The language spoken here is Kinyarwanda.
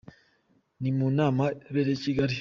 Ni mu nama yabereye i Kigali.